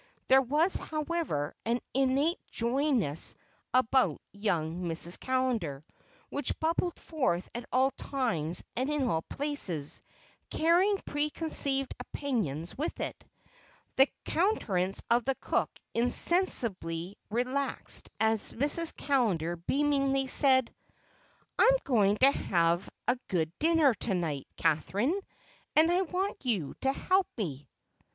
There was, however, an innate joyousness about young Mrs. Callender which bubbled forth at all times and in all places, carrying preconceived opinions with it. The countenance of the cook insensibly relaxed as Mrs. Callender beamingly said, "I'm going to have a good dinner to night, Catherine, and I want you to help me."